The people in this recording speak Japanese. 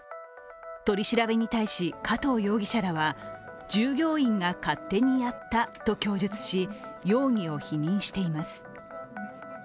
取り調べに対し、加藤容疑者らは従業員が勝手にやったと供述し、容疑を否認しています。